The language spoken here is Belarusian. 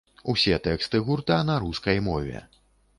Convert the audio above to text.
Усе тэксты гурта на рускай мове.